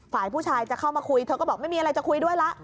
ฝ่ายผู้ชายจะเข้ามาคุยเธอก็บอกไม่มีอะไรจะคุยด้วยละ